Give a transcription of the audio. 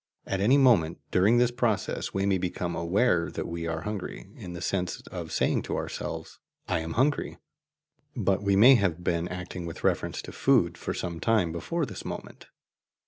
At any moment during this process we may become aware that we are hungry, in the sense of saying to ourselves, "I am hungry"; but we may have been acting with reference to food for some time before this moment.